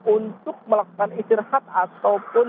untuk melakukan istirahat ataupun